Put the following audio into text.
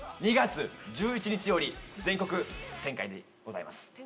２月１１日より全国展開でございます。